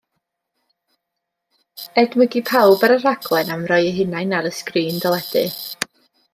Edmygu pawb ar y rhaglen am roi eu hunain ar y sgrîn deledu.